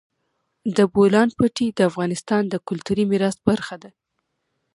د بولان پټي د افغانستان د کلتوري میراث برخه ده.